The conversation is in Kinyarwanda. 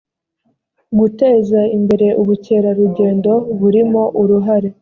guteza imbere ubukerarugendo burimo uruhare